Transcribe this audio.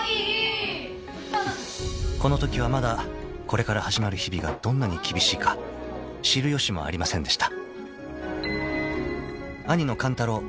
［このときはまだこれから始まる日々がどんなに厳しいか知る由もありませんでした］